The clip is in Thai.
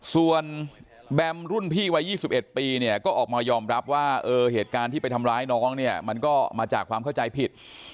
ส่วนแบมรุ่นพี่วัย๒๑ปีเนี่ยก็ออกมายอมรับว่าเหตุการณ์ที่ไปทำร้ายน้องเนี่ยมันก็มาจากความเข้าใจผิด